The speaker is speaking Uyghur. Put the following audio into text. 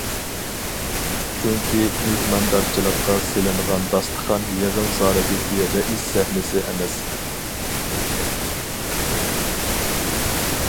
چۈنكى مېھماندارچىلىققا سېلىنغان داستىخان يىغىن زالىدىكى رەئىس سەھنىسى ئەمەس.